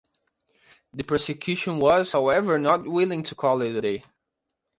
The prosecution was, however, not willing to call it a day.